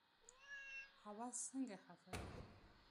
هوس سنګه خفه يي